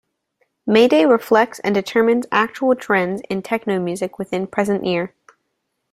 Mayday reflects and determines actual trends in techno music within present year.